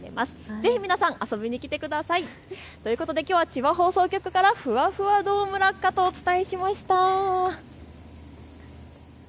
ぜひ皆さん遊びに来てください。ということできょうは千葉放送局からふわふわドームラッカとお伝えしました。